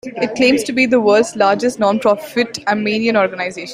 It claims to be the world's largest non-profit Armenian organization.